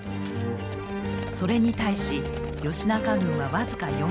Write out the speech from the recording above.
それに対し義仲軍は僅か４，０００。